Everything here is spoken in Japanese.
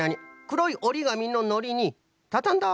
くろいおりがみののりにたたんだ